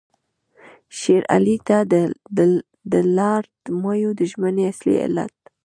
شېر علي ته د لارډ مایو د ژمنې اصلي علت.